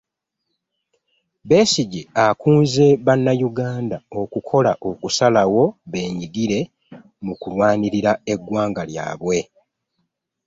Besigye akunze bannayuganda okukola okusalawo bennyigire mu kulwanirira eggwanga lyabwe